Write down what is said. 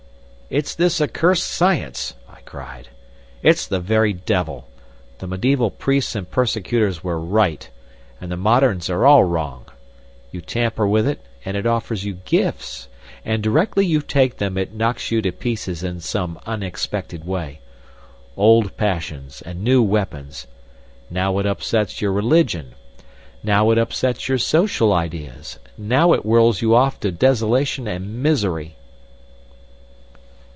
"It's this accursed science," I cried. "It's the very Devil. The mediæval priests and persecutors were right and the Moderns are all wrong. You tamper with it—and it offers you gifts. And directly you take them it knocks you to pieces in some unexpected way. Old passions and new weapons—now it upsets your religion, now it upsets your social ideas, now it whirls you off to desolation and misery!"